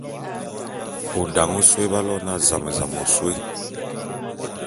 O dane ôsôé b'aloene na zam-zam ôsôé.